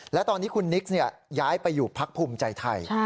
และตอนนี้คุณนิกย้ายไปอยู่พักภูมิใจไทย